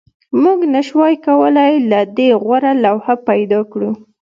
موږ نشوای کولی له دې غوره لوحه پیدا کړو